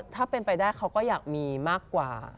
ถ้าเป็นไปได้เขาก็อยากมีมากกว่า